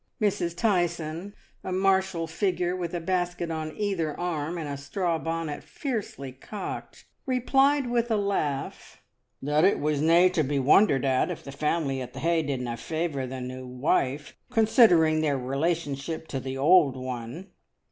Mrs. Tyson, a martial figure with a basket on either arm and a straw bonnet fiercely cocked, re plied, with a laugh, "that it was na' to be wondered at if the family at the Ha did na' favour the new wife, considering their relationship to the old one."